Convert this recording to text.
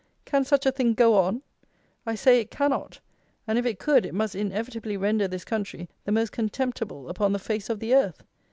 Can such a thing go on? I say it cannot; and, if it could, it must inevitably render this country the most contemptible upon the face of the earth.